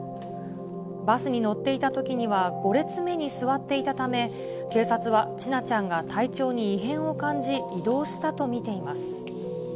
バスに乗っていたときには、５列目に座っていたため、警察は千奈ちゃんが体調に異変を感じ、移動したと見ています。